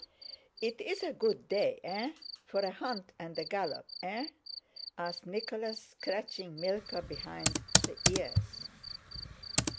"It's a good day, eh? For a hunt and a gallop, eh?" asked Nicholas, scratching Mílka behind the ears.